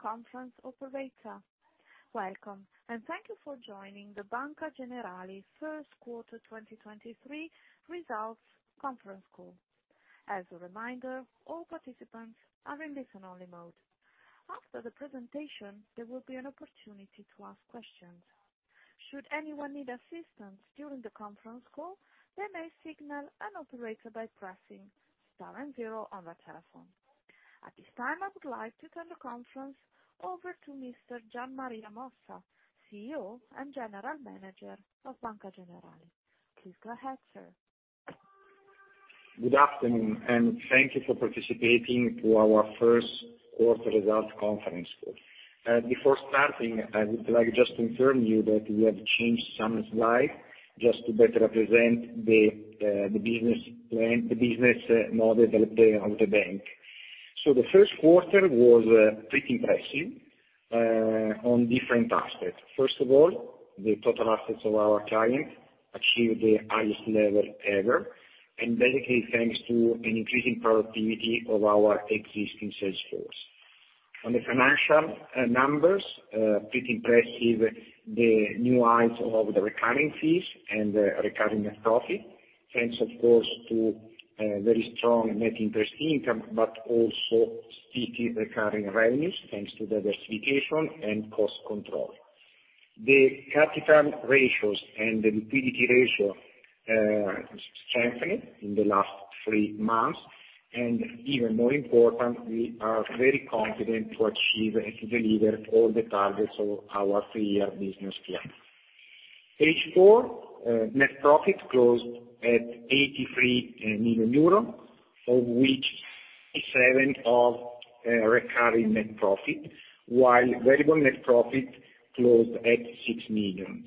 Conference operator. Welcome, thank you for joining the Banca Generali first quarter 2023 results conference call. As a reminder, all participants are in listen only mode. After the presentation, there will be an opportunity to ask questions. Should anyone need assistance during the conference call, they may signal an operator by pressing star and 0 on their telephone. At this time, I would like to turn the conference over to Mr. Gian Maria Mossa, CEO and General Manager of Banca Generali. Please go ahead, sir. Good afternoon, and thank you for participating to our first quarter results conference call. Before starting, I would like just to inform you that we have changed some slides just to better represent the business plan, the business model of the bank. The first quarter was pretty impressive on different aspects. First of all, the total assets of our client achieved the highest level ever, basically thanks to an increasing productivity of our existing sales force. On the financial numbers, pretty impressive, the new highs of the recurring fees and the recurring net profit, thanks of course to very strong net interest income but also sticky recurring revenues, thanks to the diversification and cost control. The capital ratios and the liquidity ratio strengthened in the last three months. Even more important, we are very confident to achieve and to deliver all the targets of our three-year business plan. Page 4, net profit closed at 83 million euro, of which 77 of recurring net profit, while variable net profit closed at 6 million.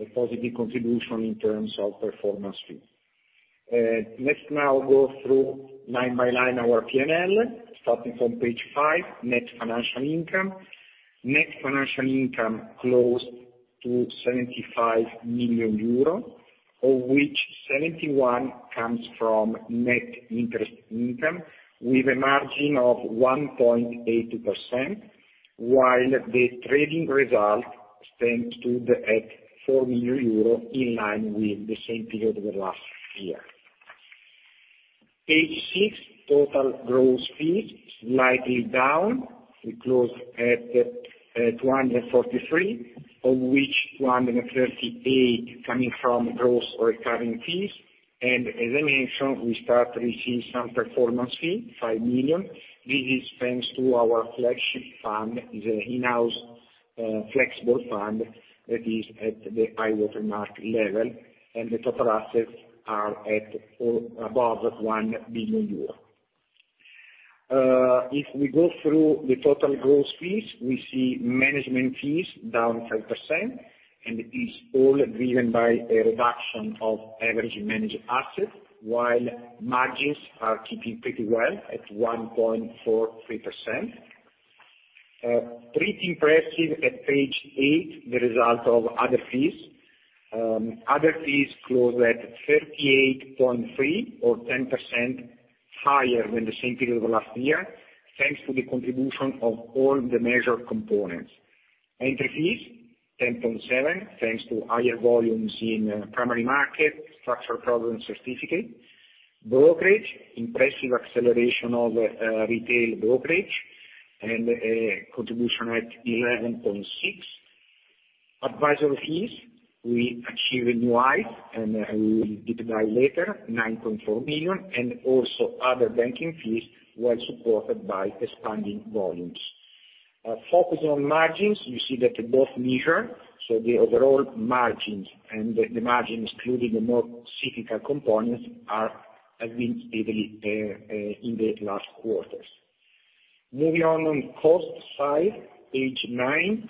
A positive contribution in terms of performance fee. Let's now go through line by line our PNL, starting from page 5, net financial income. Net financial income close to 75 million euro, of which 71 comes from net interest income with a margin of 1.8%, while the trading result stood at 4 million euro, in line with the same period of the last year. Page 6, total gross fees slightly down. We close at 143, of which 138 coming from gross recurring fees. As I mentioned, we start receiving some performance fee, 5 million. This is thanks to our flagship fund, the in-house flexible fund that is at the high-water mark level, and the total assets are at or above 1 billion euro. If we go through the total gross fees, we see management fees down 5%, it is all driven by a reduction of average managed assets, while margins are keeping pretty well at 1.43%. Pretty impressive at page 8, the result of other fees. Other fees closed at 38.3 or 10% higher than the same period of the last year, thanks to the contribution of all the measured components. Entry fees, 10.7%, thanks to higher volumes in primary market structured certificate. Brokerage, impressive acceleration of retail brokerage and a contribution at 11.6%. Advisory fees, we achieve a new high, we will detail later, 9.4 million, and also other banking fees well supported by expanding volumes. Focusing on margins, you see that both measure, so the overall margins and the margin excluding the more cyclical components are as been steadily in the last quarters. Moving on cost side, page 9.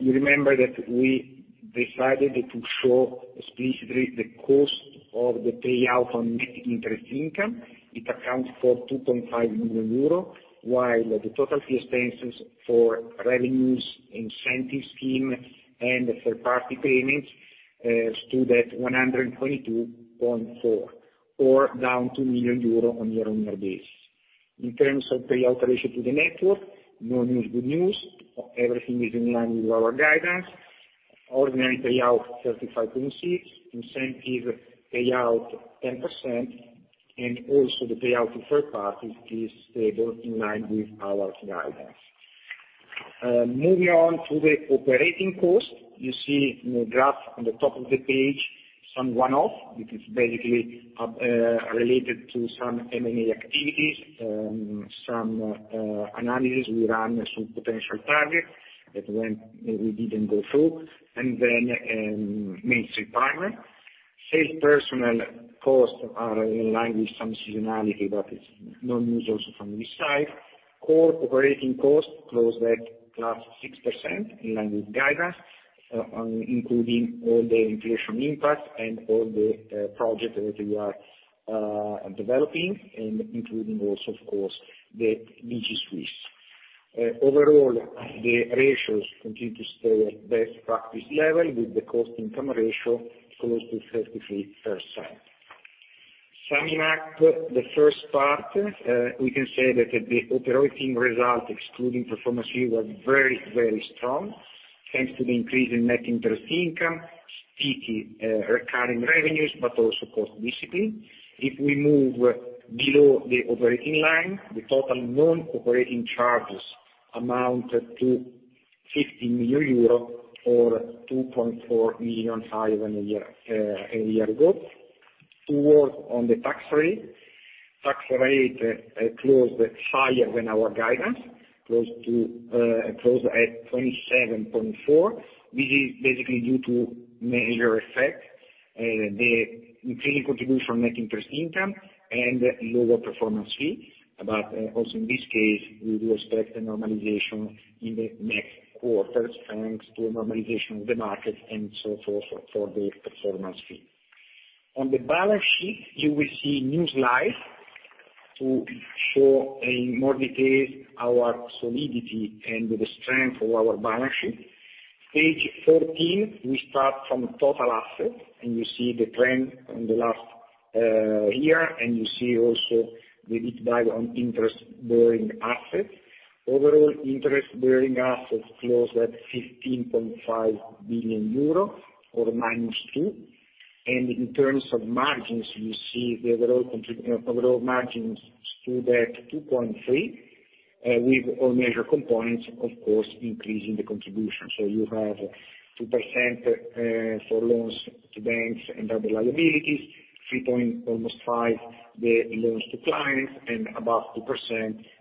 You remember that we decided to show specifically the cost of the payout on net interest income. It accounts for 2.5 million euro, while the total fee expenses for revenues, incentive scheme and third party payments, stood at 122.4, or down 2 million euro on year-on-year basis. In terms of payout ratio to the network, no news, good news. Everything is in line with our guidance. Ordinary payout 35.6%. Incentive payout, 10%. Also the payout to third parties is stable in line with our guidance. Moving on to the operating cost. You see in the graph on the top of the page some one-off, which is basically, related to some M&A activities, some analysis we run, some potential targets that when we didn't go through, and then, mainly retirement. Sales personnel costs are in line with some seasonality, it's no news also from this side. Core operating costs closed at +6% in line with guidance, including all the inflation impact and all the projects that we are developing and including also, of course, the BG Suisse. Overall, the ratios continue to stay at best practice level with the cost-to-income ratio close to 33%. Summing up the first part, we can say that the operating result excluding performance fee were very strong, thanks to the increase in net interest income, fee, recurring revenues, but also cost discipline. If we move below the operating line, the total non-operating charges amounted to 50 million euro, or 2.4 million higher than a year ago. To work on the tax rate, closed higher than our guidance, close to closed at 27.4%, which is basically due to major effect, the increasing contribution net interest income and lower performance fee. Also in this case, we will expect a normalization in the next quarters, thanks to a normalization of the market and so forth for the performance fee. On the balance sheet, you will see new slides to show in more detail our solidity and the strength of our balance sheet. Page 14, we start from total assets, and you see the trend on the last year, and you see also the deep dive on interest-bearing assets. Overall interest-bearing assets closed at 15.5 billion euro or -2%. In terms of margins, you see the overall margins stood at 2.3 with all major components, of course, increasing the contribution. You have 2% for loans to banks and other liabilities, 3 point almost 5 the loans to clients, and about 2%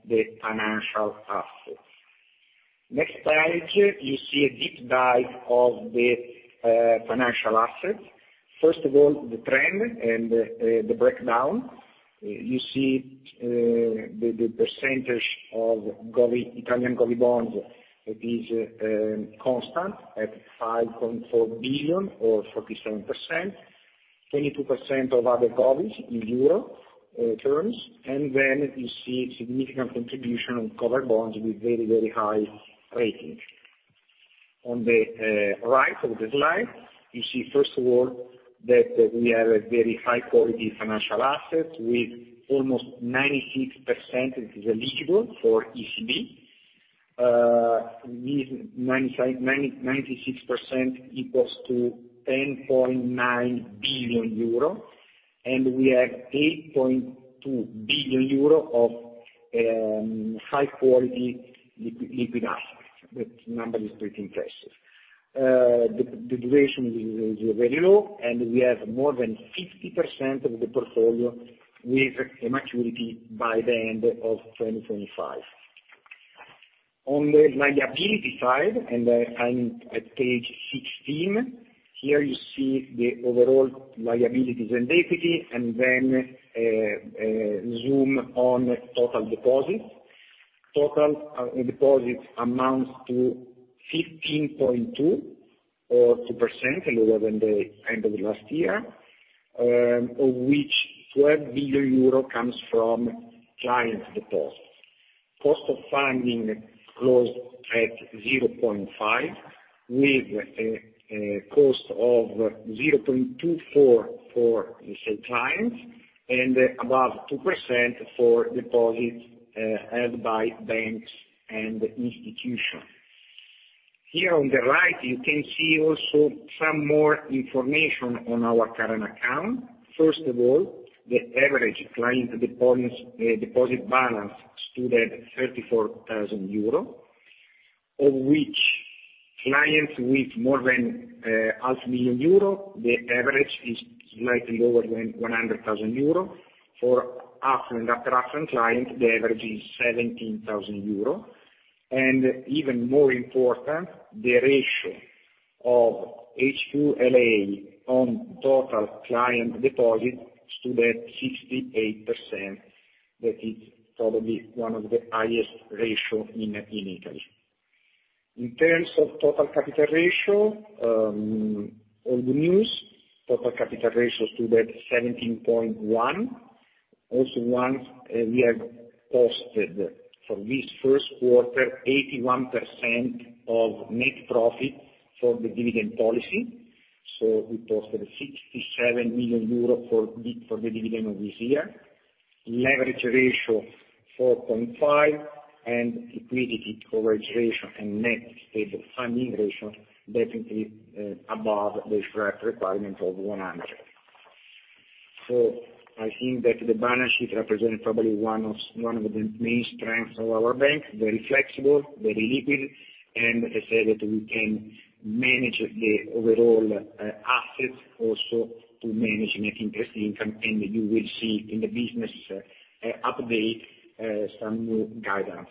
the financial assets. Next page, you see a deep dive of the financial assets. First of all, the trend and the breakdown. You see the percentage of govvies, Italian govvie bonds is constant at 5.4 billion or 47%. 22% of other govvies in EUR terms. Then you see significant contribution on covered bonds with very high ratings. On the right of the slide, you see first of all that we have a very high quality financial assets with almost 96% which is eligible for ECB. This 96% equals to 10.9 billion euro, and we have 8.2 billion euro of high quality liquid assets. That number is pretty impressive. The duration is very low, and we have more than 50% of the portfolio with a maturity by the end of 2025. On the liability side, at page 16, here you see the overall liabilities and equity, then zoom on total deposits. Total deposits amounts to 15.2 or 2% lower than the end of last year, of which 12 billion euro comes from clients' deposits. Cost of funding closed at 0.5, with a cost of 0.24 for retail clients and above 2% for deposits held by banks and institutions. Here on the right, you can see also some more information on our current account. First of all, the average client deposits deposit balance stood at 34,000 euro, of which clients with more than half million EUR, the average is slightly lower than 100,000 euro. For affluent, ultra-affluent clients, the average is 17,000 euro. Even more important, the ratio of HQLA on total client deposits stood at 68%. That is probably one of the highest ratio in Italy. In terms of Total Capital Ratio, old news. Total Capital Ratio stood at 17.1. Once, we have posted for this first quarter, 81% of net profit for the dividend policy. We posted 67 million euros for the dividend of this year. Leverage Ratio, 4.5, and Liquidity Coverage Ratio and Net Stable Funding Ratio definitely, above the required requirement of 100. I think that the balance sheet represents probably one of the main strengths of our bank, very flexible, very liquid, and I say that we can manage the overall assets also to manage Net Interest Income, and you will see in the business update, some new guidance.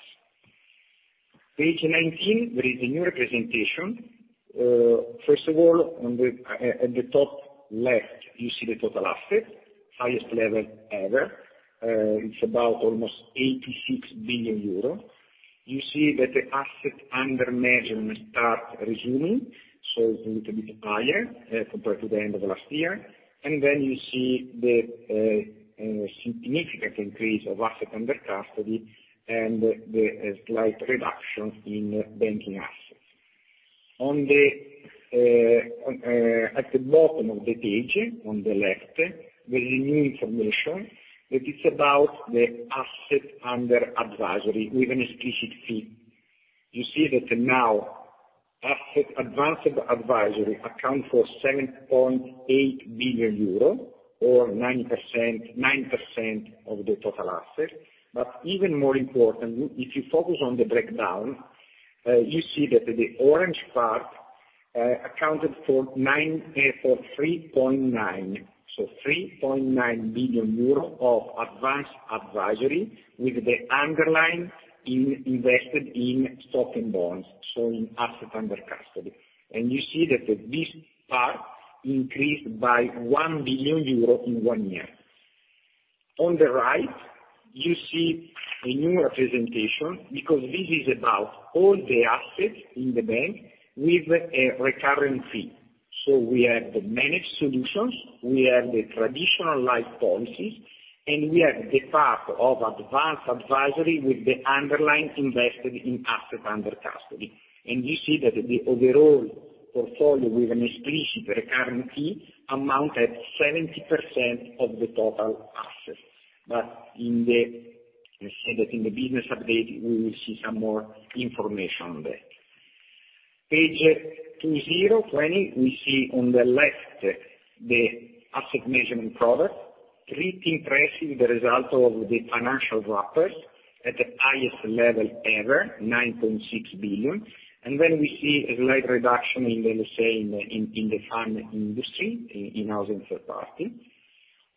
Page 19, there is a new representation. First of all, on the, at the top left, you see the total assets, highest level ever. It's about almost 86 billion euro. You see that the Assets Under Management start resuming, so it's a little bit higher compared to the end of last year. Then you see the significant increase of Asset Under Custody and the slight reduction in banking assets. On the bottom of the page, on the left, there's a new information that is about the Asset Under Advisement with an explicit fee. You see that now asset Advanced Advisory account for 7.8 billion euro or 9% of the total asset. Even more important, if you focus on the breakdown, you see that the orange part accounted for 3.9 billion euro of Advanced Advisory with the underlying invested in stocks and bonds, so in Asset Under Custody. You see that this part increased by 1 billion euro in 1 year. On the right, you see a new representation because this is about all the assets in the bank with a recurring fee. We have the managed solutions, we have the traditional life policies, and we have the part of Advanced Advisory with the underlying invested in asset under custody. You see that the overall portfolio with an explicit recurring fee amount at 70% of the total assets. In the business update, we will see some more information on that. Page 20, we see on the left the asset management product. Pretty impressive the result of the financial wrappers at the highest level ever, 9.6 billion. We see a slight reduction in the fund industry, in house and third party.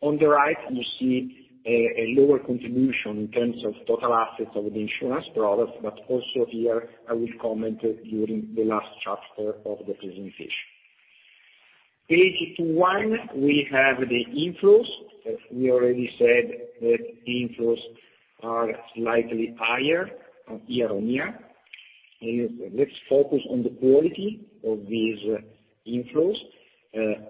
On the right you see a lower contribution in terms of total assets of the insurance products. Here I will comment during the last chapter of the presentation. Page 21, we have the inflows. As we already said, that the inflows are slightly higher year-on-year. Let's focus on the quality of these inflows.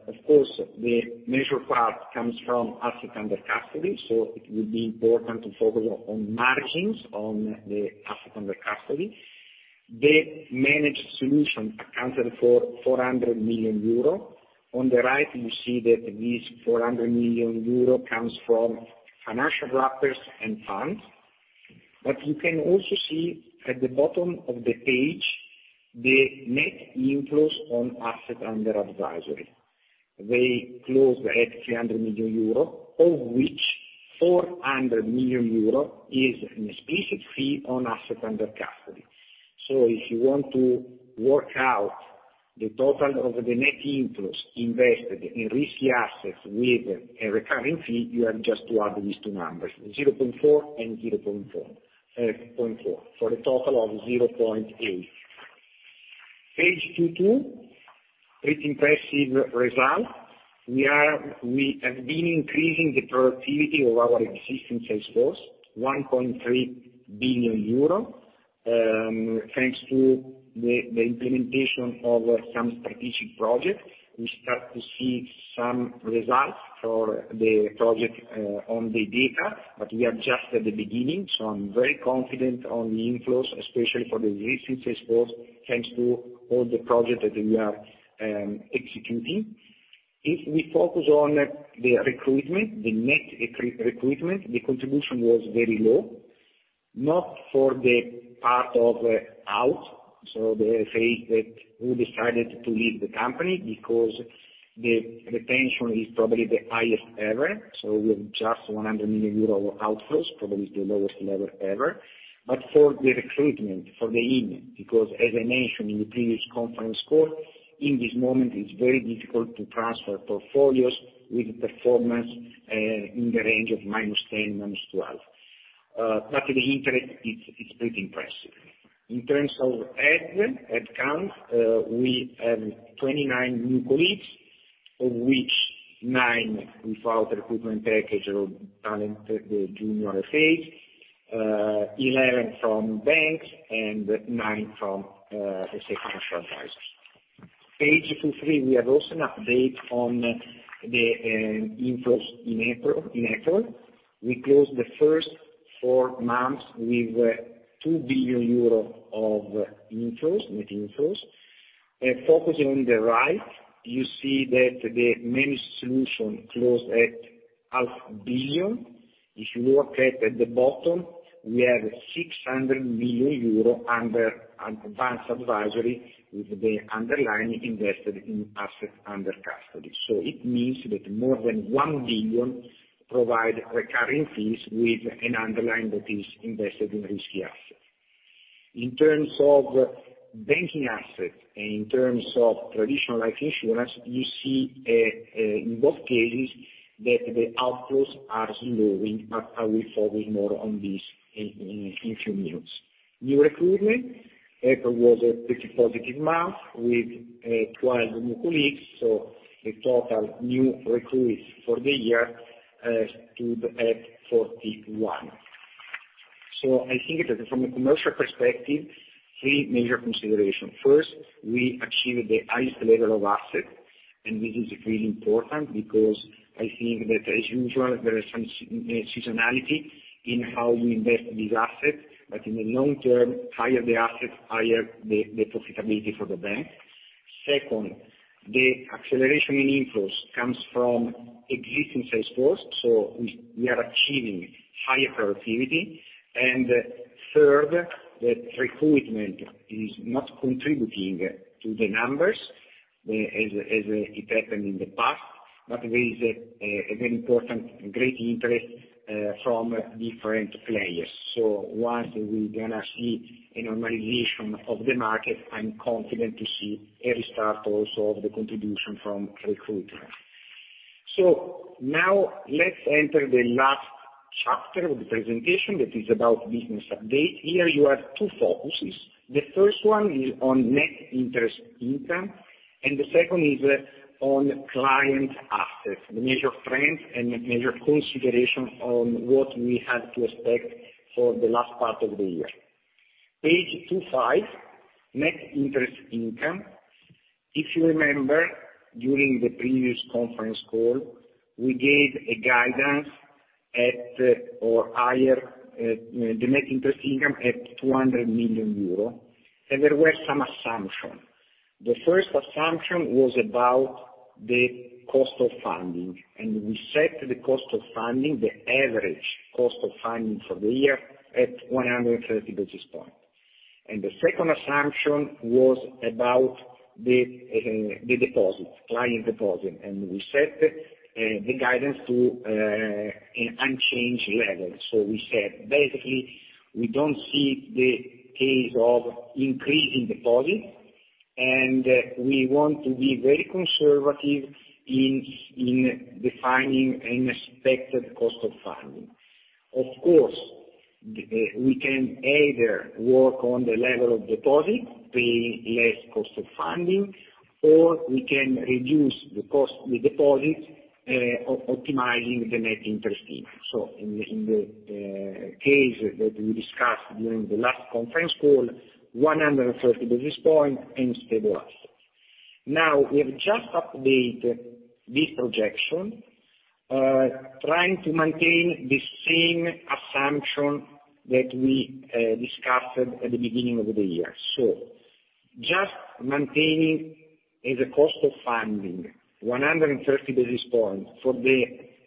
Of course, the major part comes from asset under custody, so it will be important to focus on margins on the asset under custody. The managed solution accounted for 400 million euro. On the right you see that this 400 million euro comes from financial wrappers and funds. You can also see at the bottom of the page, the net inflows on Asset Under Advisory. They closed at 300 million euro, of which 400 million euro is an explicit fee on Asset Under Custody. If you want to work out the total of the net inflows invested in risky assets with a recurring fee, you have just to add these two numbers, 0.4 and 0.4, point 4, for a total of 0.8. Page 22. It's impressive result. We have been increasing the productivity of our existing sales force, 1.3 billion euro, thanks to the implementation of some strategic projects. We start to see some results for the project on the data. We are just at the beginning. I'm very confident on the inflows, especially for the existing sales force, thanks to all the projects that we are executing. If we focus on the recruitment, the net recruitment, the contribution was very low, not for the part of out. The phase that who decided to leave the company because the retention is probably the highest ever. We have just 100 million euro outflows, probably the lowest level ever. For the recruitment, for the in, because as I mentioned in the previous conference call, in this moment it's very difficult to transfer portfolios with performance in the range of -10, -12. The interest it's pretty impressive. In terms of head count, we have 29 new colleagues, of which 9 without recruitment package or talent, the junior phase, 11 from banks and 9 from, say, financial advisors. Page 23, we have also an update on the inflows in April. We closed the first 4 months with 2 billion euros of inflows, net inflows. Focusing on the right, you see that the managed solution closed at half billion. If you look at the bottom, we have 600 million euro under Advanced Advisory with the underlying invested in asset under custody. It means that more than 1 billion provide recurring fees with an underline that is invested in risky assets. In terms of banking assets, in terms of traditional life insurance, you see, in both cases that the outflows are low. I will focus more on this in, in two minutes. New recruitment. April was a pretty positive month with 12 new colleagues. The total new recruits for the year, stood at 41. I think that from a commercial perspective, three major considerations. First, we achieved the highest level of assets. This is really important because I think that as usual, there is some seasonality in how we invest these assets, but in the long term, higher the asset, higher the profitability for the bank. Second, the acceleration in inflows comes from existing sales force. We, we are achieving higher productivity. Third, that recruitment is not contributing to the numbers as it happened in the past, but there is a very important great interest from different players. Once we're gonna see a normalization of the market, I'm confident to see a restart also of the contribution from recruitment. Now let's enter the last chapter of the presentation, that is about business update. Here, you have two focuses. The first one is on net interest income, and the second is on client assets, the major trends and major consideration on what we have to expect for the last part of the year. Page 25, net interest income. If you remember, during the previous conference call, we gave a guidance at or higher the net interest income at 200 million euro, and there were some assumption. The first assumption was about the cost of funding. We set the cost of funding, the average cost of funding for the year at 130 basis points. The second assumption was about the deposits, client deposits, and we set the guidance to an unchanged level. We said, basically, we don't see the case of increase in deposits, and we want to be very conservative in defining an expected cost of funding. Of course, we can either work on the level of deposits, pay less cost of funding, or we can reduce the cost with deposits, optimizing the net interest income. In the case that we discussed during the last conference call, 130 basis points and stabilize. We have just update this projection, trying to maintain the same assumption that we discussed at the beginning of the year. Just maintaining as a cost of funding 130 basis points for the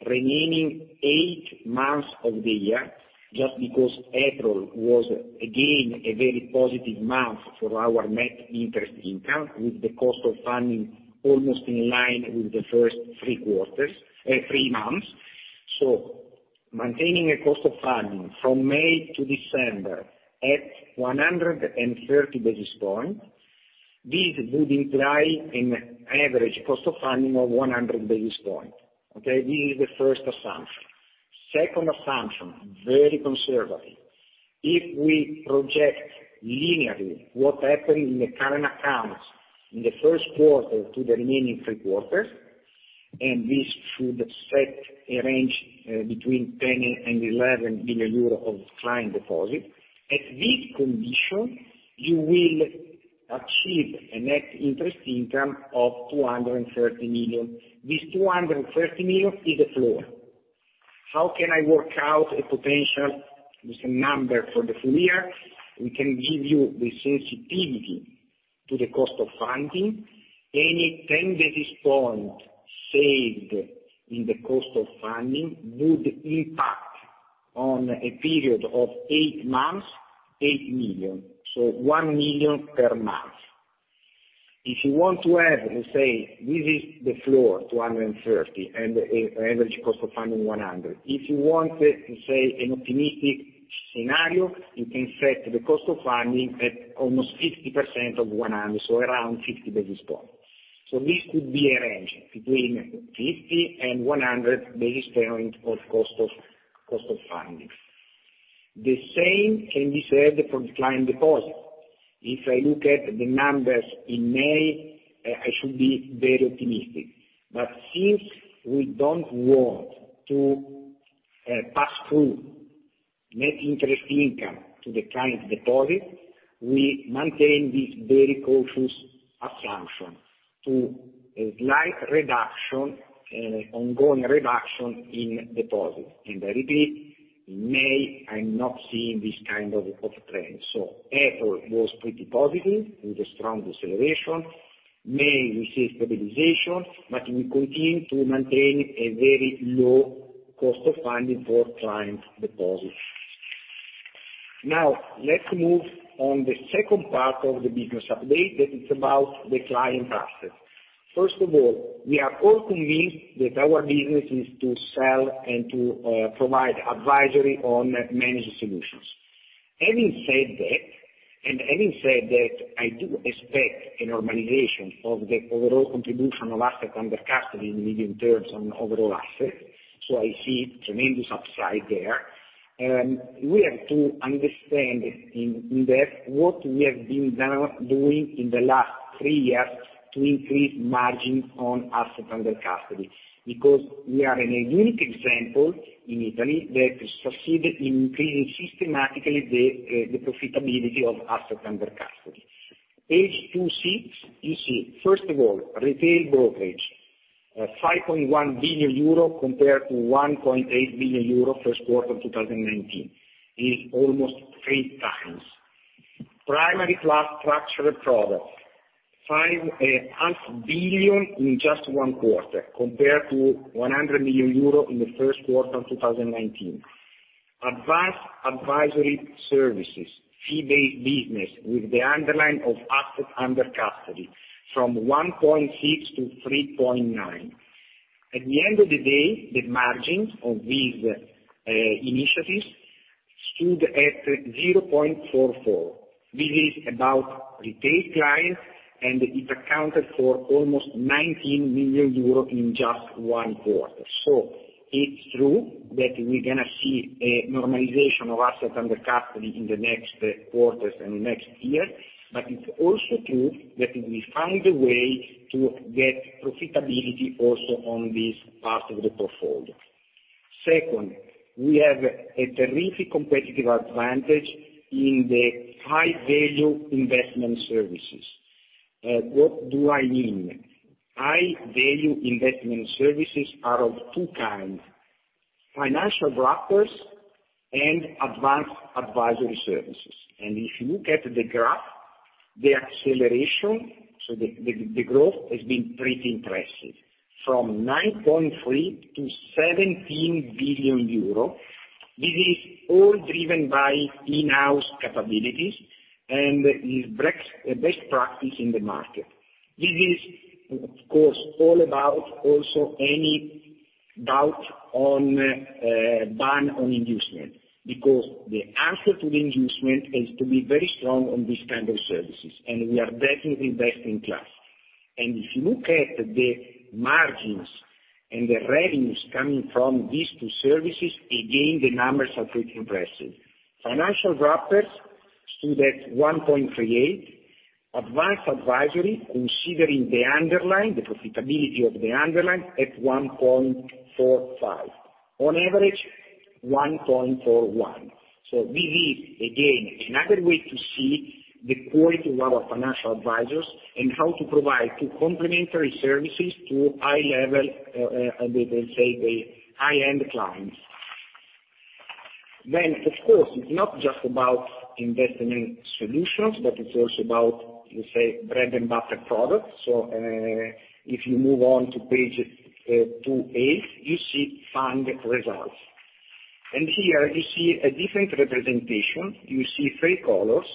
remaining 8 months of the year, just because April was again a very positive month for our net interest income, with the cost of funding almost in line with the first three quarters, 3 months. Maintaining a cost of funding from May to December at 130 basis points, this would imply an average cost of funding of 100 basis points, okay? This is the first assumption. Second assumption, very conservative. If we project linearly what happened in the current accounts in the first quarter to the remaining three quarters, this should set a range between 10 billion-11 billion euro of client deposit. At this condition, you will achieve a net interest income of 230 million. This 230 million is a floor. How can I work out a potential, just a number for the full year? We can give you the sensitivity to the cost of funding. Any 10 basis points saved in the cost of funding would impact on a period of 8 months, 8 million. 1 million per month. You want to have, let's say, this is the floor, 230, and an average cost of funding 100. If you want, let's say, an optimistic scenario, you can set the cost of funding at almost 50% of 100, so around 50 basis points. This could be a range between 50 and 100 basis points of cost of funding. The same can be said for the client deposit. If I look at the numbers in May, I should be very optimistic. Since we don't want to pass through net interest income to the client deposit, we maintain this very cautious assumption to a slight reduction, ongoing reduction in deposits. I repeat, in May, I'm not seeing this kind of trend. April was pretty positive with a strong acceleration. May we see stabilization, but we continue to maintain a very low cost of funding for client deposits. Let's move on the second part of the business update, that it's about the client assets. First of all, we are all convinced that our business is to sell and to provide advisory on managed solutions. Having said that, I do expect a normalization of the overall contribution of Assets Under Custody in medium terms on overall assets. I see tremendous upside there. We have to understand in depth what we have been doing in the last three years to increase margin on Assets Under Custody. We are in a unique example in Italy that succeeded in increasing systematically the profitability of Assets Under Custody. Page 26, you see, first of all, retail brokerage. 5.1 billion euro compared to 1.8 billion euro 1st quarter 2019, is almost 3 times. Primary class structured products, 5 half billion in just 1 quarter compared to 100 million euro in the first quarter of 2019. Advanced Advisory services, fee-based business with the underline of assets under custody from 1.6 to 3.9. At the end of the day, the margins of these initiatives stood at 0.44%. This is about retail clients. It accounted for almost 19 million euro in just 1 quarter. It's true that we're gonna see a normalization of assets under custody in the next quarters and next year. It's also true that we found a way to get profitability also on this part of the portfolio. Second, we have a terrific competitive advantage in the high-value investment services. What do I mean? High-value investment services are of two kinds: financial wrappers and Advanced Advisory services. If you look at the graph, the acceleration, so the growth has been pretty impressive, from 9.3 billion to 17 billion euro. This is all driven by in-house capabilities and is best practice in the market. This is of course, all about also any doubt on ban on inducement because the answer to the inducement is to be very strong on this kind of services, and we are definitely best in class. If you look at the margins and the revenues coming from these two services, again, the numbers are pretty impressive. Financial wrappers stood at 1.38%. Advanced Advisory considering the underlying, the profitability of the underlying, at 1.45%. On average, 1.41%. This is again, another way to see the quality of our financial advisors and how to provide two complimentary services to high level, they say the high-end clients. Of course it's not just about investment solutions, but it's also about, let's say, bread and butter products. If you move on to page 28, you see fund results. Here you see a different representation. You see three colors.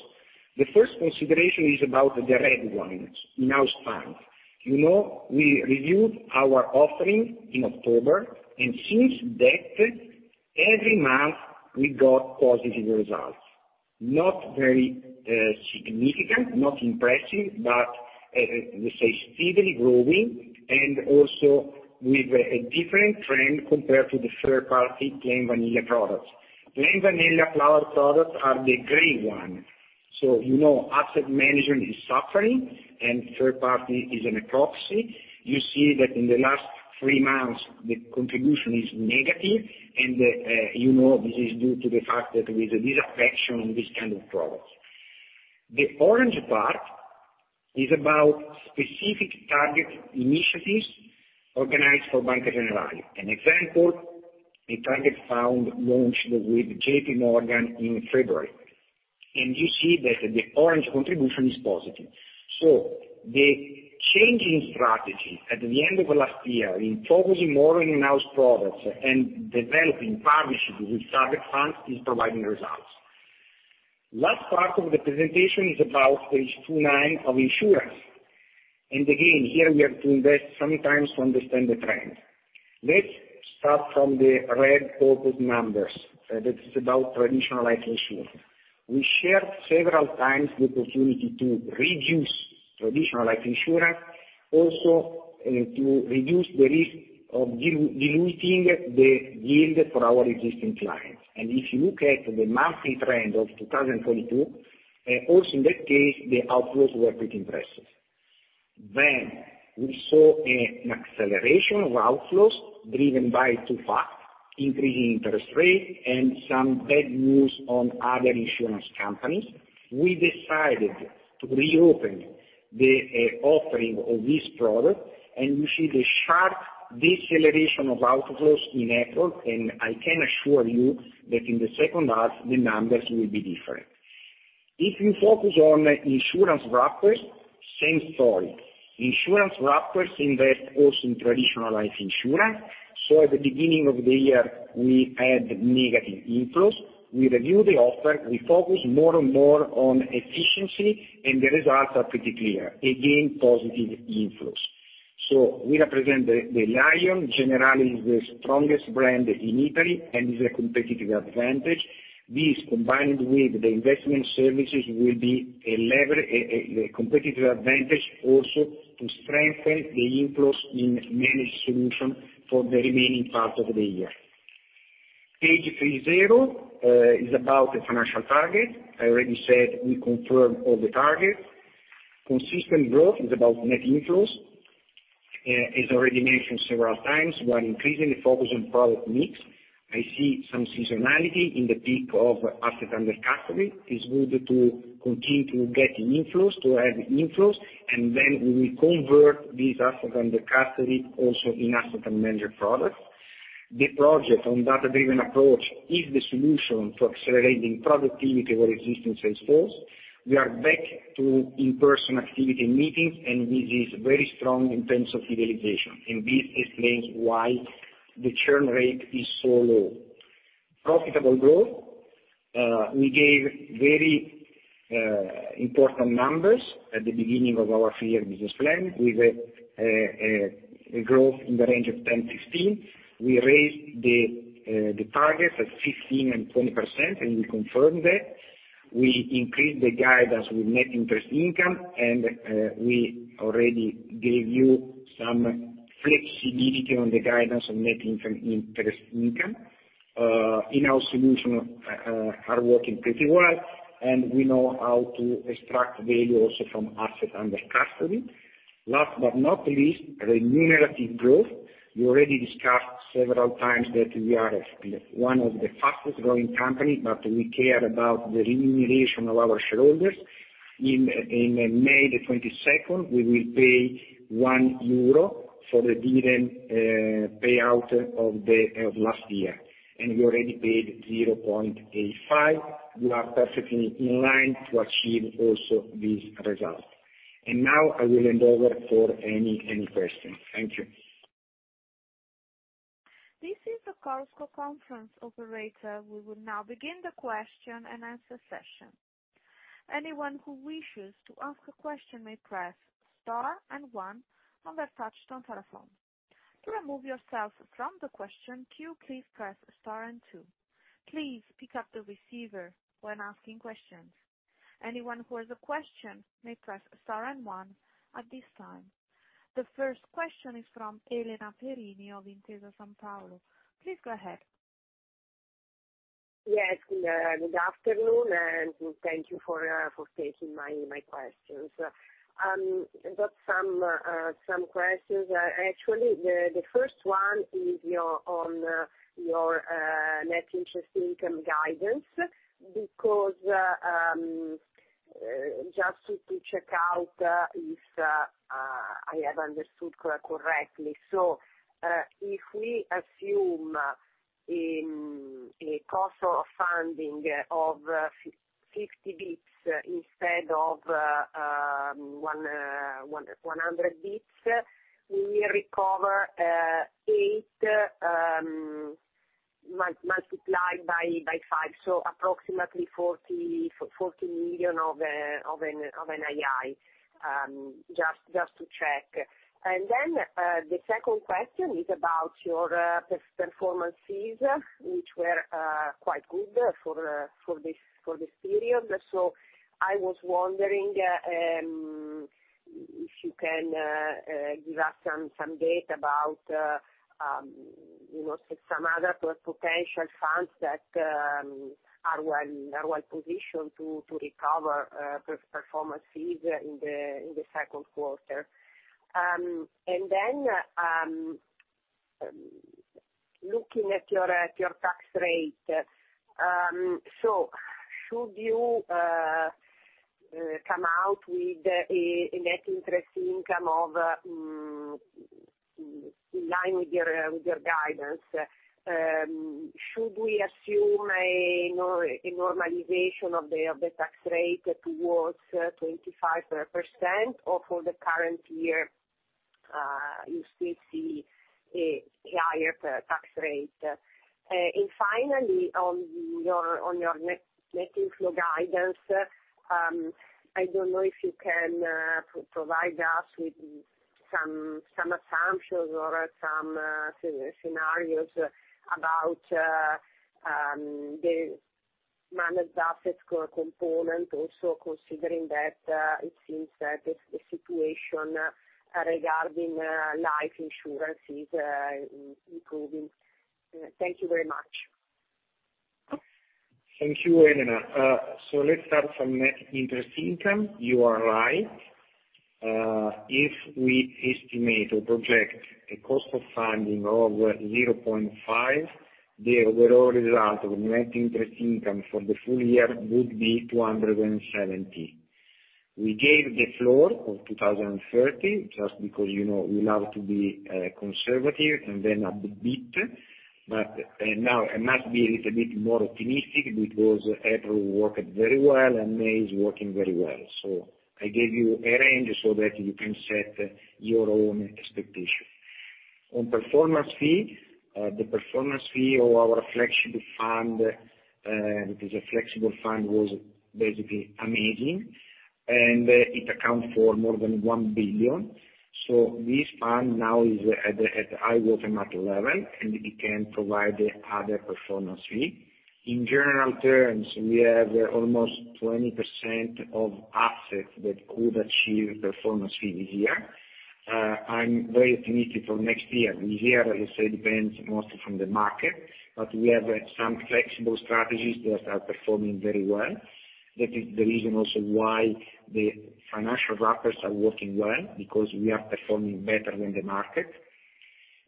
The first consideration is about the red ones, in-house funds. You know, we reviewed our offering in October and since that, every month we got positive results. Not very significant, not impressive, but we say steadily growing and also with a different trend compared to the third party plain vanilla products. Plain vanilla products are the gray one. You know, asset management is suffering and third party is a proxy. You see that in the last three months, the contribution is negative. You know, this is due to the fact that there is a disaffection on this kind of products. The orange part is about specific target initiatives organized for Banca Generali. An example, a target fund launched with JPMorgan in February. You see that the orange contribution is positive. The change in strategy at the end of last year in focusing more on in-house products and developing partnerships with target funds is providing results. Last part of the presentation is about page 29 of insurance. Again, here we have to invest some time to understand the trend. Let's start from the red focused numbers, that is about traditional life insurance. We shared several times the opportunity to reduce traditional life insurance, also, to reduce the risk of diluting the yield for our existing clients. If you look at the monthly trend of 2022, also in that case, the outflows were pretty impressive. We saw an acceleration of outflows driven by two facts, increasing interest rate and some bad news on other insurance companies. We decided to reopen the offering of this product. You see the sharp deceleration of outflows in April. I can assure you that in the second half the numbers will be different. If you focus on insurance wrappers, same story. Insurance wrappers invest also in traditional life insurance. At the beginning of the year we had negative inflows. We reviewed the offer. We focused more and more on efficiency and the results are pretty clear. Again, positive inflows. We represent the lion. Generali is the strongest brand in Italy and is a competitive advantage. This, combined with the investment services will be a lever, a competitive advantage also to strengthen the inflows in managed solution for the remaining part of the year. Page 30 is about the financial target. I already said we confirm all the targets. Consistent growth is about net inflows. As already mentioned several times, we are increasingly focused on product mix. I see some seasonality in the peak of assets under custody. It's good to continue to get inflows, to add inflows, we convert these assets under custody also in asset and managed products. The project on data-driven approach is the solution to accelerating productivity of our existing sales force. We are back to in-person activity meetings, and this is very strong in terms of utilization. This explains why the churn rate is so low. Profitable growth. We gave very important numbers at the beginning of our three-year business plan with a growth in the range of 10%, 15%. We raised the targets at 15% and 20%, and we confirmed that. We increased the guide as with net interest income, and we already gave you some flexibility on the guidance on net interest income. In-house solution are working pretty well, and we know how to extract value also from assets under custody. Last but not least, remunerative growth. We already discussed several times that we are one of the fastest growing company, but we care about the remuneration of our shareholders. In May 22nd, we will pay 1 euro for the dividend payout of the last year. We already paid 0.85. We are perfectly in line to achieve also this result. Now I will hand over for any questions. Thank you. This is the Chorus Call conference operator. We will now begin the question and answer session. Anyone who wishes to ask a question may press star and one on their touch tone telephone. To remove yourself from the question queue, please press star and two. Please pick up the receiver when asking questions. Anyone who has a question may press star and one at this time. The first question is from Elena Perini of Intesa Sanpaolo. Please go ahead. Yes. Good afternoon, thank you for taking my questions. I've got some questions. Actually, the first one is on your net interest income guidance because just to check out if I have understood correctly. If we assume a cost of funding of 50 basis points instead of 100 basis points, we recover 8 multiplied by 5, so approximately 40 million of an NII. Just to check. The second question is about your performance fees, which were quite good for this period. I was wondering, if you can give us some data about, you know, some other potential funds that are well positioned to recover performance fees in the second quarter? Looking at your tax rate, should you come out with a net interest income of, in line with your guidance, should we assume a normalization of the tax rate towards 25%, or for the current year, you still see a higher tax rate? Finally, on your net inflow guidance, I don't know if you can provide us with some assumptions or some scenarios about the managed assets component also considering that it seems that the situation regarding life insurance is improving? Thank you very much. Thank you, Elena. Let's start from net interest income. You are right. If we estimate or project a cost of funding of 0.5, the overall result of net interest income for the full year would be 270 million. We gave the floor of 2,030 million just because, you know, we love to be conservative and then a bit. Now I must be a little bit more optimistic because April worked very well and May is working very well. I gave you a range so that you can set your own expectation. On performance fee, the performance fee of our flexible fund, because the flexible fund was basically amazing. It accounts for more than 1 billion. This fund now is at the high water mark level, and it can provide other performance fee. In general terms, we have almost 20% of assets that could achieve performance fee this year. I'm very optimistic for next year. This year, it depends mostly from the market, but we have some flexible strategies that are performing very well. That is the reason also why the financial wrappers are working well, because we are performing better than the market.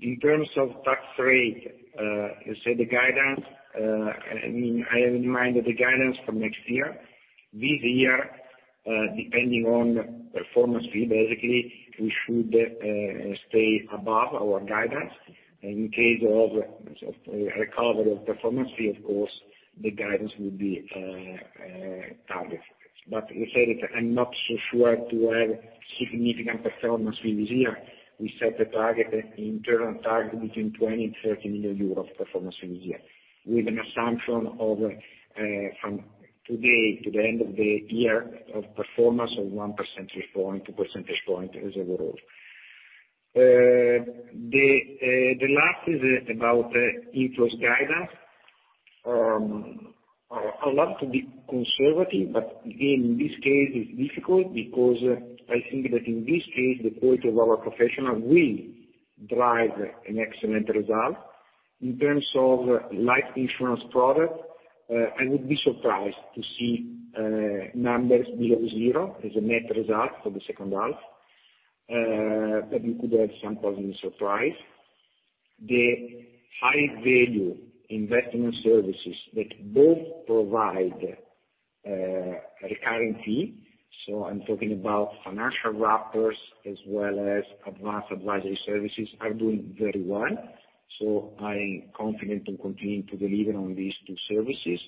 In terms of tax rate, let's say the guidance, I mean, I have in mind the guidance for next year. This year, depending on performance fee, basically we should stay above our guidance. In case of a recovery of performance fee, of course, the guidance will be targeted. Like I said, I'm not so sure to have significant performance fee this year. We set a target, internal target between 20 million and 30 million euros performance fee a year, with an assumption of from today to the end of the year of performance of 1 percentage point, 2 percentage points as overall. The last is about interest guidance. I'd love to be conservative, but in this case it's difficult because I think that in this case, the quality of our professional will drive an excellent result. In terms of life insurance product, I would be surprised to see numbers below zero as a net result for the second half. We could have some positive surprise. The high value investment services that both provide a recurring fee. I'm talking about financial wrappers as well as Advanced Advisory services are doing very well. I'm confident to continue to deliver on these two services.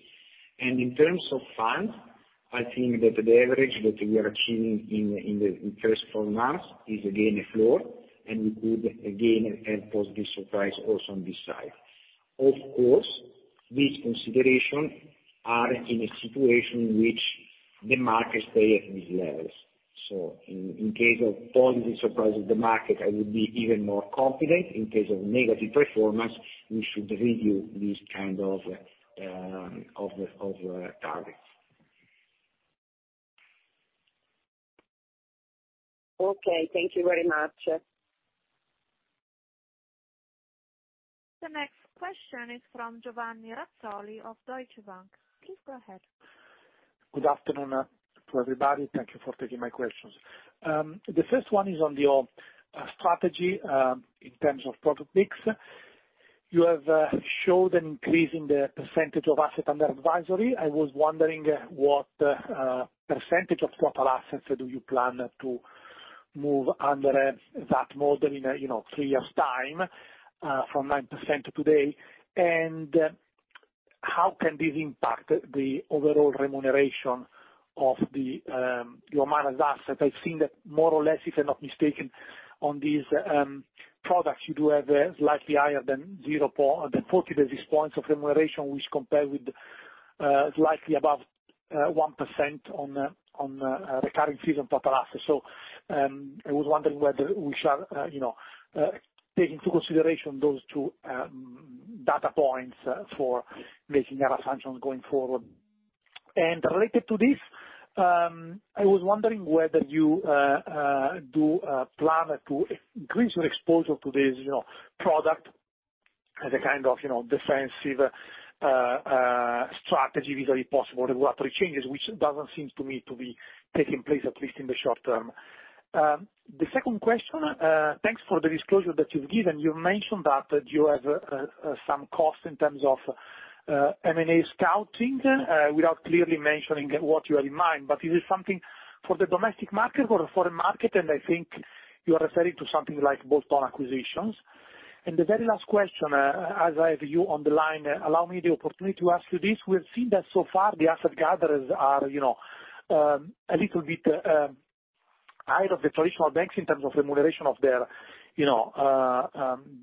In terms of funds, I think that the average that we are achieving in the first four months is again a floor, and we could again have positive surprise also on this side. Of course, this consideration are in a situation in which the market stay at these levels. In case of positive surprise of the market, I would be even more confident. In case of negative performance, we should review this kind of targets. Okay, thank you very much. The next question is from Giovanni Razzoli of Deutsche Bank. Please go ahead. Good afternoon to everybody. Thank you for taking my questions. The first one is on your strategy in terms of product mix. You have showed an increase in the percentage of Assets Under Advisory. I was wondering what percentage of total assets do you plan to move under that model in, you know, 3 years' time from 9% today. How can this impact the overall remuneration of your managed assets? I've seen that more or less, if I'm not mistaken, on these products you do have a slightly higher than 40 basis points of remuneration, which compared with slightly above 1% on recurring fees on total assets. I was wondering whether we should, you know, take into consideration those two data points for making our assumptions going forward. Related to this, I was wondering whether you do plan to increase your exposure to this, you know, product as a kind of, you know, defensive strategy, if possible, regulatory changes, which doesn't seem to me to be taking place, at least in the short term. The second question, thanks for the disclosure that you've given. You mentioned that you have some costs in terms of M&A scouting, without clearly mentioning what you have in mind. Is it something for the domestic market or the foreign market? I think you are referring to something like bolt-on acquisitions. The very last question, as I have you on the line, allow me the opportunity to ask you this. We have seen that so far the asset gatherers are, you know, a little bit out of the traditional banks in terms of remuneration of their, you know,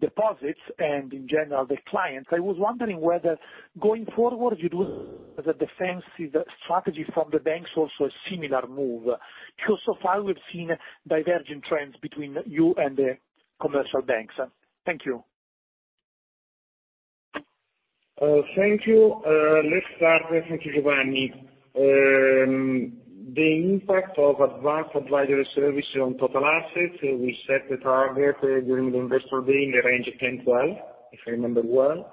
deposits and in general, their clients. I was wondering whether going forward you do the defensive strategy from the banks, also a similar move? So far we've seen divergent trends between you and the commercial banks. Thank you. Thank you. Let's start. Thank you, Giovanni. The impact of Advanced Advisory services on total assets, we set the target during the Investor Day in the range of 10, 12, if I remember well.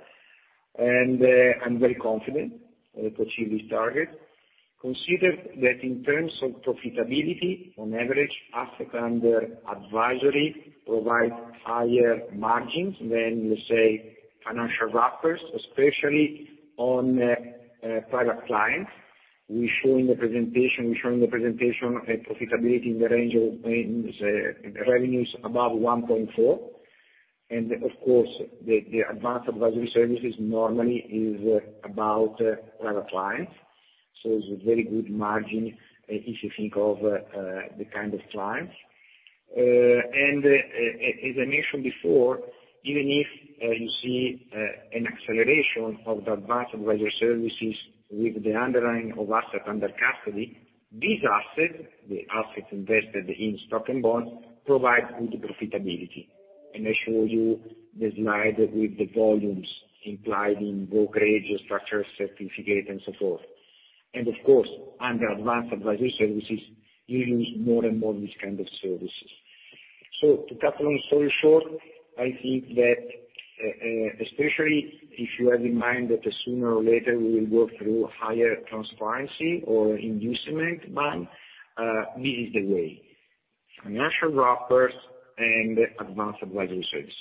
I'm very confident to achieve this target. Consider that in terms of profitability on average, Assets under Advisory provide higher margins than, let's say, financial wrappers, especially on private clients. We show in the presentation a profitability in the range of revenues above 1.4%. Of course, the Advanced Advisory services normally is about private clients, so it's a very good margin if you think of the kind of clients. As I mentioned before, even if you see an acceleration of the Advanced Advisory Services with the underlying of assets under custody, these assets, the assets invested in stock and bonds, provide good profitability. I show you the slide with the volumes implied in brokerage, Structured Certificate, and so forth. Of course, under Advanced Advisory Services, you use more and more of these kinds of services. To cut long story short, I think that especially if you have in mind that sooner or later we will work through higher transparency or inducement ban, this is the way. financial wrappers and Advanced Advisory Service.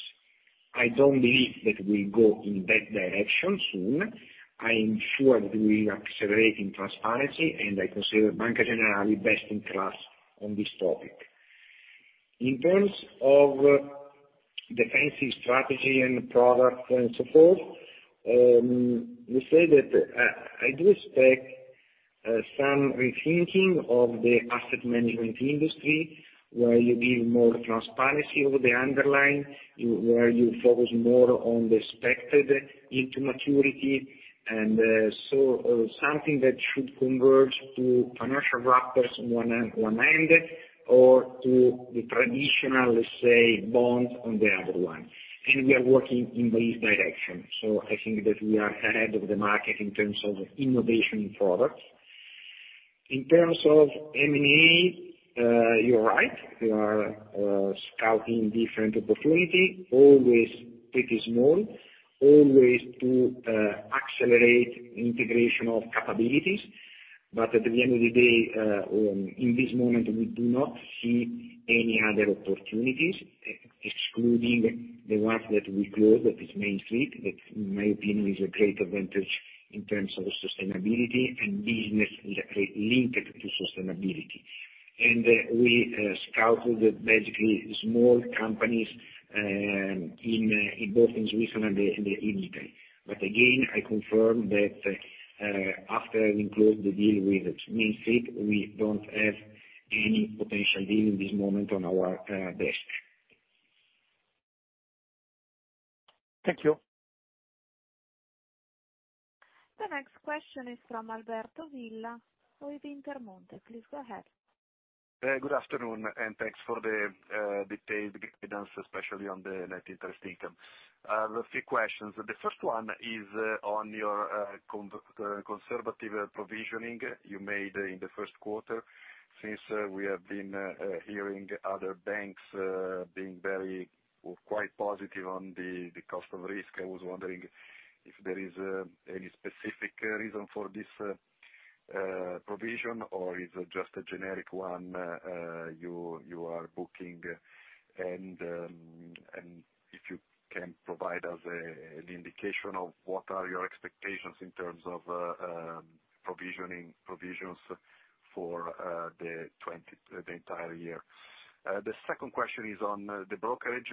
I don't believe that we go in that direction soon. I am sure that we are accelerating transparency, and I consider Banca Generali best in class on this topic. In terms of defensive strategy and product and so forth, we say that, I do expect some rethinking of the asset management industry, where you give more transparency over the underlying, where you focus more on the expected into maturity and, or something that should converge to financial wrappers on one end or to the traditional, let's say, bond on the other one. We are working in this direction. I think that we are ahead of the market in terms of innovation products. In terms of M&A, you're right. We are scouting different opportunity, always pretty small, always to accelerate integration of capabilities. At the end of the day, in this moment, we do not see any other opportunities, excluding the ones that we closed, that is Main Street. That, in my opinion, is a great advantage in terms of sustainability and business linked to sustainability. We scouted basically small companies in both in Switzerland and in Italy. Again, I confirm that after we closed the deal with Main Street, we don't have any potential deal in this moment on our desk. Thank you. The next question is from Alberto Villa with Intermonte. Please go ahead. Good afternoon, and thanks for the detailed guidance, especially on the net interest income. I have a few questions. The first one is on your conservative provisioning you made in the first quarter. Since we have been hearing other banks being very or quite positive on the cost of risk, I was wondering if there is any specific reason for this provision or is it just a generic one you are booking? If you can provide us an indication of what are your expectations in terms of provisioning provisions for the 20, the entire year. The second question is on the brokerage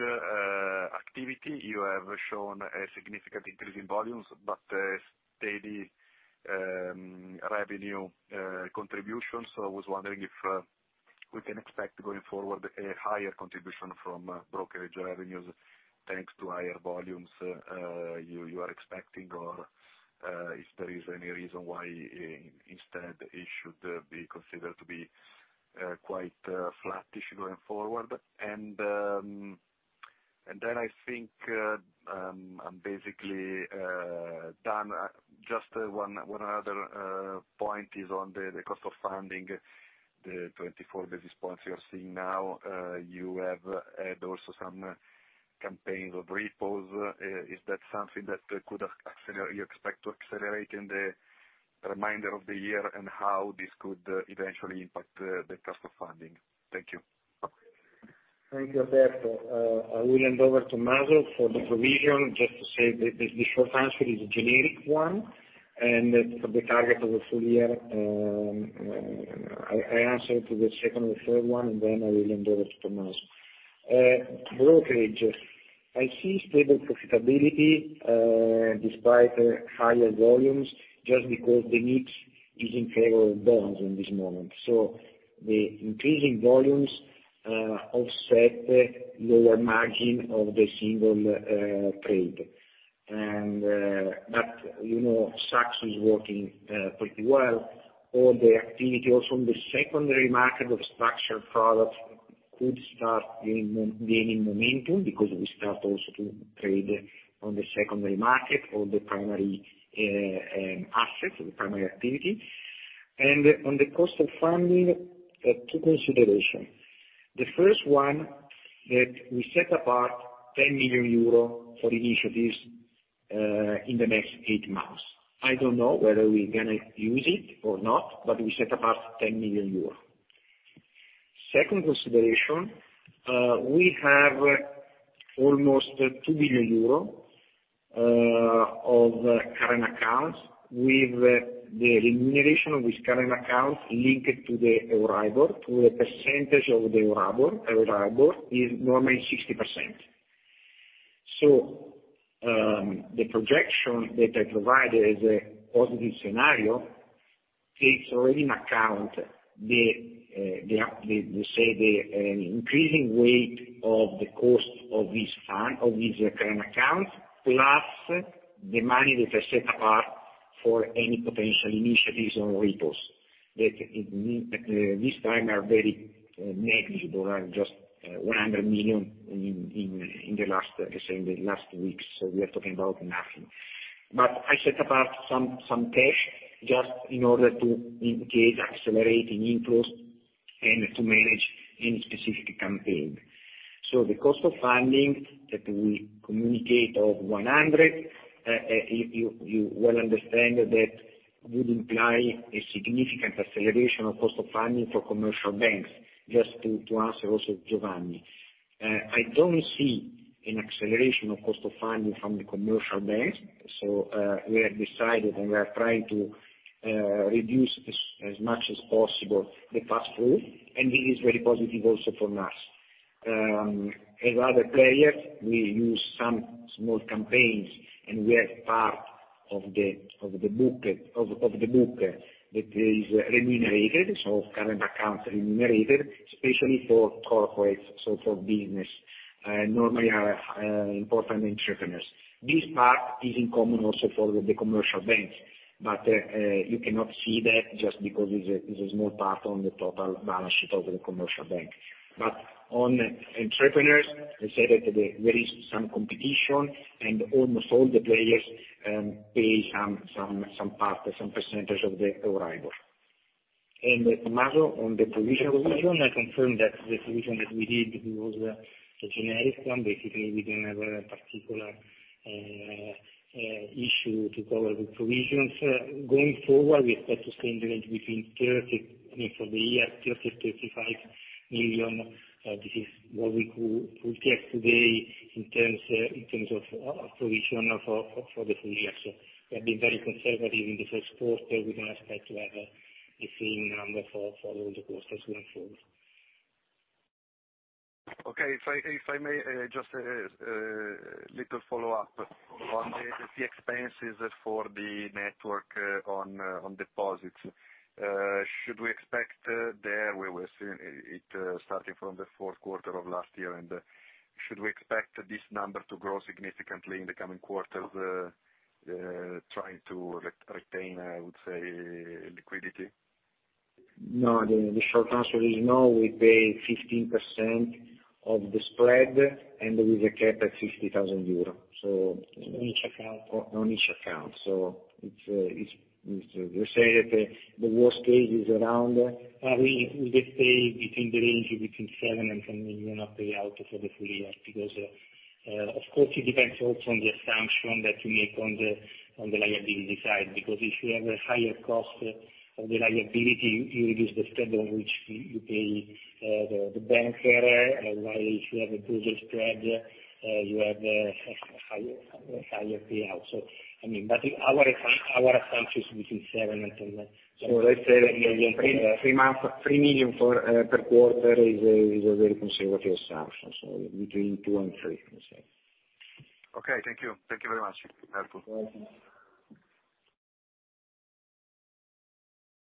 activity. You have shown a significant increase in volumes but a steady revenue contribution. I was wondering if we can expect going forward a higher contribution from brokerage revenues, thanks to higher volumes, you are expecting or if there is any reason why instead it should be considered to be quite flattish going forward. I think I'm basically done. Just one other point is on the cost of funding, the 24 basis points you are seeing now. You have had also some campaigns of repos. Is that something that could accelerate, you expect to accelerate in the remainder of the year, and how this could eventually impact the cost of funding? Thank you. Thank you, Alberto. I will hand over to Mauro for the provision. Just to say the short answer is a generic one, and for the target of the full year, I answer to the 2nd and 3rd one, and then I will hand over to Mauro. Brokerage, I see stable profitability despite higher volumes, just because the mix is in favor of bonds in this moment. The increasing volumes offset lower margin of the single trade. You know, Saxo is working pretty well. All the activity also on the secondary market of structured products could start gaining momentum because we start also to trade on the secondary market or the primary assets or the primary activity. On the cost of funding, 2 consideration. The first one that we set apart 10 million euro for initiatives in the next 8 months. I don't know whether we're gonna use it or not, but we set apart 10 million euros. Second consideration, we have almost 2 billion euro of current accounts with the remuneration with current accounts linked to the Euribor, to the percentage of the Euribor. Euribor is normally 60%. The projection that I provided as a positive scenario takes already in account the increasing weight of the cost of this fund, of this current account, plus the money that I set apart for any potential initiatives on repos that this time are very negligible and just 100 million in the last, let's say, in the last weeks, so we are talking about nothing. I set apart some cash just in order to indicate accelerating inflows and to manage any specific campaign. The cost of funding that we communicate of 100, you well understand that would imply a significant acceleration of cost of funding for commercial banks. Just to answer also Giovanni. I don't see an acceleration of cost of funding from the commercial banks, we have decided, and we are trying to reduce as much as possible the pass-through, and it is very positive also for us. As other players, we use some small campaigns, and we are part of the book that is remunerated. Current accounts remunerated, especially for corporates, for business, normally important entrepreneurs. This part is in common also for the commercial banks. You cannot see that just because it's a small part on the total balance sheet of the commercial bank. On entrepreneurs, I say that there is some competition, and almost all the players pay some part, some percentage of the arrival. Massimo, on the provision revision, I confirm that the provision that we did was a generic one. Basically, we didn't have a particular issue to cover the provisions. Going forward, we expect to stay in the range between 30 million, you know, for the year, 30 million-35 million. This is what we could project today in terms of provision for the full year. We have been very conservative in the first quarter. We now expect to have the same number for all the quarters going forward. Okay. If I may, just little follow-up on the expenses for the network, on deposits. Should we expect there we were seeing it starting from the fourth quarter of last year and should we expect this number to grow significantly in the coming quarters, trying to retain, I would say, liquidity? No, the short answer is no. We pay 15% of the spread. There is a cap at 60,000 euro. On each account. On each account. We say that the worst case is around, we pay between the range of between 7 million and 10 million of payout for the full year. Because, of course, it depends also on the assumption that you make on the liability side. Because if you have a higher cost of the liability, you reduce the spread on which you pay the banker. While if you have a bigger spread, you have a higher payout. I mean, but our assumption is between seven and 10, so let's say- 3 months, EUR 3 million for per quarter is a very conservative assumption. Between 2 and 3, let's say. Okay. Thank you. Thank you very much, Arturo. Welcome.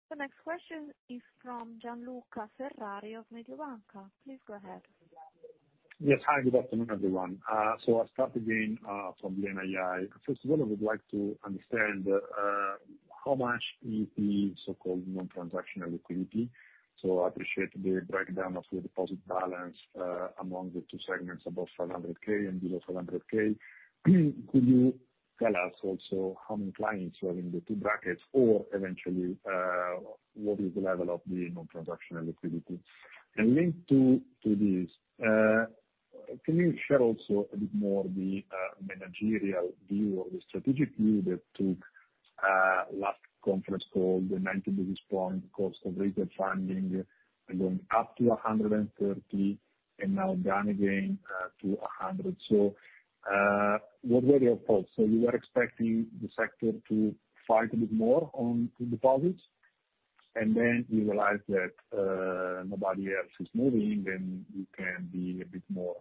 The next question is from Gianluca Ferrari of Mediobanca. Please go ahead. Yes. Hi, good afternoon, everyone. I'll start again from the NII. First of all, I would like to understand how much is the so-called non-transactional liquidity. I appreciate the breakdown of your deposit balance among the two segments, above 500K and below 500K. Could you tell us also how many clients are in the two brackets or eventually, what is the level of the non-transactional liquidity? Linked to this, can you share also a bit more the managerial view or the strategic view that took last conference call, the 90 basis point cost of retail funding going up to 130 and now down again to 100. What were your thoughts? You were expecting the sector to fight a bit more on deposits, then you realized that nobody else is moving, then you can be a bit more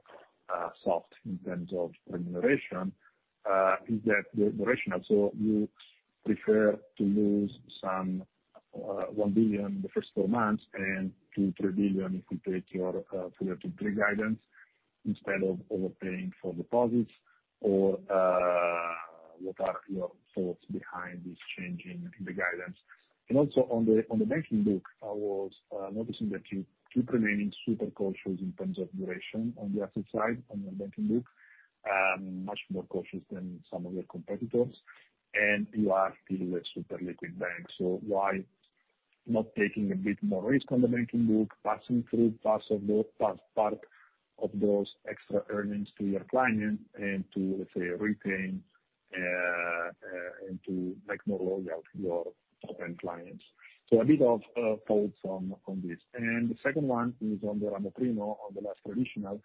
soft in terms of remuneration. Is that the rationale? You prefer to lose some 1 billion the first four months and 2-3 billion if you take your full year to 3 guidance instead of overpaying for deposits? What are your thoughts behind this change in the guidance? Also on the banking book, I was noticing that you keep remaining super cautious in terms of duration on the asset side, on the banking book, much more cautious than some of your competitors, and you are still a super liquid bank. Why not taking a bit more risk on the banking book, passing through parts of those... part of those extra earnings to your client and to, let's say, retain and to make more loyal your top-end clients? A bit of thoughts on this. The second one is on the Ramo I, on the less traditional.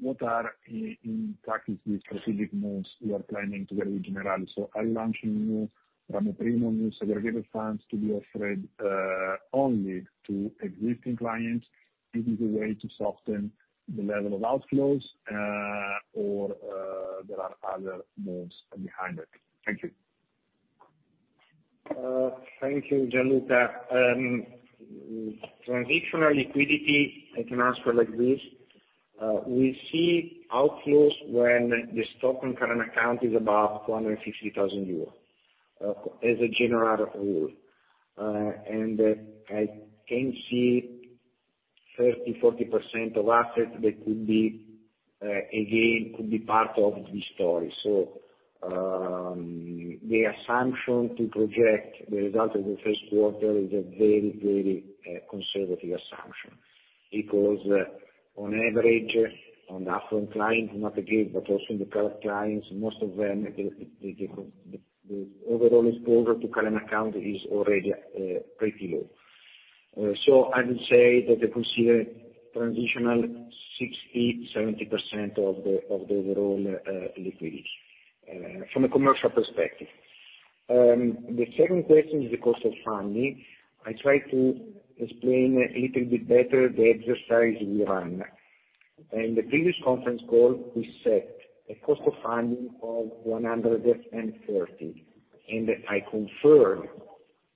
What are in practice the specific moves you are planning together with Generali Group? Are you launching new Ramo I, new segregated funds to be offered only to existing clients? Is this a way to soften the level of outflows or there are other moves behind it? Thank you. Thank you, Gianluca. Transitional liquidity, I can answer like this. We see outflows when the stock and current account is above 450,000 euros as a general rule. I can see 30, 40% of assets that could be again, could be part of this story. The assumption to project the result of the first quarter is a very, very conservative assumption because on average, on the affluent client, not again, but also in the current clients, most of them, the overall exposure to current account is already pretty low. I would say that they consider transitional 60, 70% of the overall liquidity from a commercial perspective. The second question is the cost of funding. I try to explain a little bit better the exercise we run. In the previous conference call, we set a cost of funding of 130, and I confirm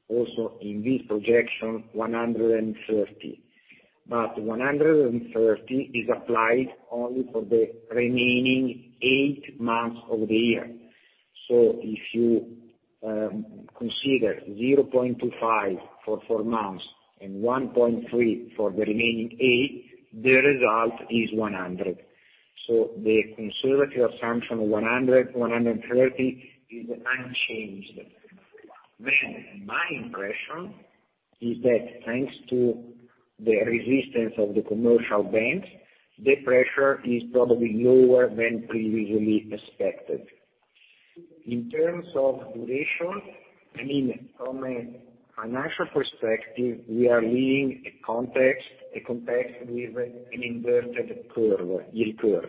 also in this projection 130. 130 is applied only for the remaining 8 months of the year. If you consider 0.25 for 4 months and 1.3 for the remaining 8, the result is 100. The conservative assumption of 100, 130, is unchanged. My impression is that thanks to the resistance of the commercial banks, the pressure is probably lower than previously expected. In terms of duration, I mean, from a financial perspective, we are leaving a context with an inverted curve, yield curve.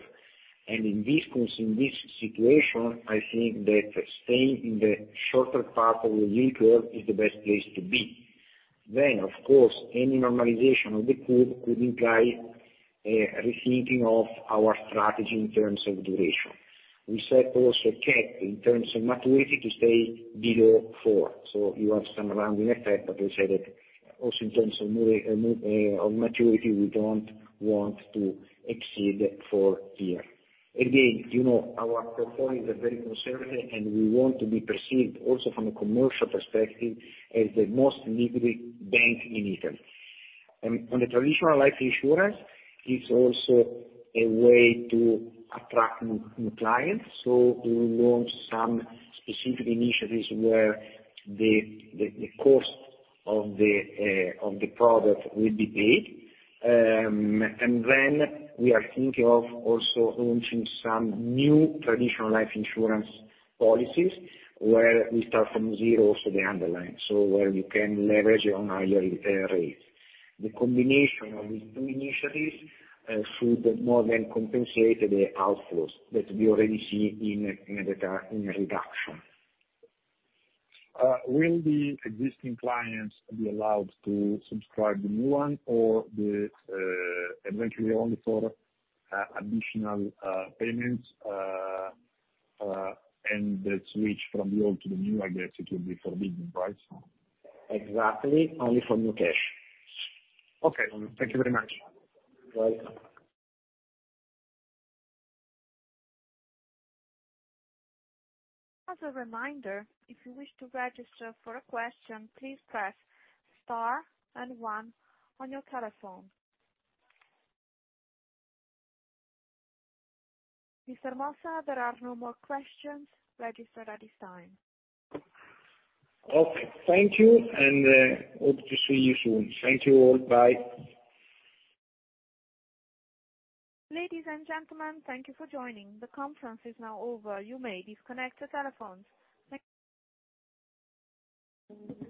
In this situation, I think that staying in the shorter part of the yield curve is the best place to be. Of course, any normalization of the curve could imply a rethinking of our strategy in terms of duration. We set also cap in terms of maturity to stay below 4. You have some rounding effect, but we say that also in terms of maturity, we don't want to exceed 4 year. You know, our profile is very conservative, and we want to be perceived also from a commercial perspective as the most liquid bank in Italy. On the traditional life insurance, it's also a way to attract new clients. We will launch some specific initiatives where the cost of the product will be paid. We are thinking of also launching some new traditional life insurance policies where we start from zero, so the underlying. Where we can leverage on higher rates. The combination of these two initiatives should more than compensate the outflows that we already see in data, in reduction. Will the existing clients be allowed to subscribe the new one or eventually only for additional payments? And the switch from the old to the new, I guess it will be forbidden, right? Exactly. Only for new cash. Okay. Thank you very much. Welcome. As a reminder, if you wish to register for a question, please press star and one on your telephone. Mr. Mossa, there are no more questions registered at this time. Okay, thank you. Hope to see you soon. Thank you all. Bye. Ladies and gentlemen, thank you for joining. The conference is now over. You may disconnect your telephones. Thank you.